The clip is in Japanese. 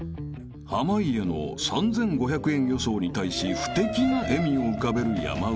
［濱家の３，５００円予想に対し不敵な笑みを浮かべる山内］